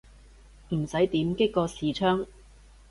唔使點擊個視窗